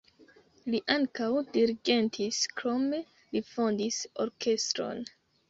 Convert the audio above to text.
Li ankaŭ dirigentis, krome li fondis orkestron.